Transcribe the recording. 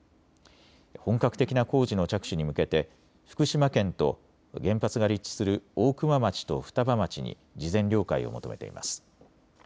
本格的な工事の着手に向けて福島県と原発が立地する大熊町と双葉町に事前了解を求めています。